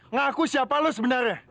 ngaku siapa lu sebenarnya